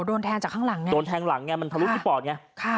โดนแทงจากข้างหลังไงโดนแทงหลังไงมันทะลุที่ปอดไงค่ะ